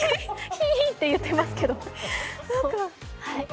ヒーって言ってますけど。